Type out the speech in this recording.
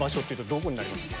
どこになりますか？